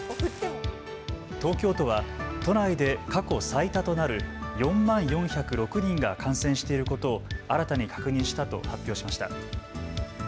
東京都は都内で過去最多となる４万４０６人が感染していることを新たに確認したと発表しました。